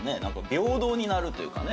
平等になるというかね。